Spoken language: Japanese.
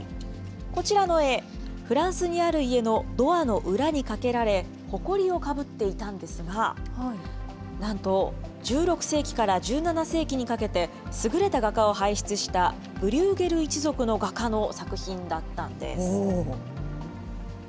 こちらの絵、フランスにある家のドアの裏にかけられ、ほこりをかぶっていたんですが、なんと１６世紀から１７世紀にかけて、優れた画家を輩出したブリューゲル一族の画家の作品だったんです。